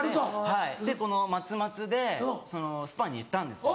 はいでこの松松でそのスパに行ったんですよ。